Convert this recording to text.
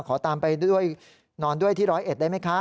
ขอตามไปด้วยนอนด้วยที่ร้อยเอ็ดได้ไหมคะ